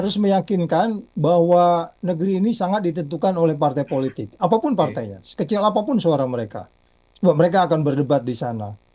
sekecil apapun suara mereka mereka akan berdebat di sana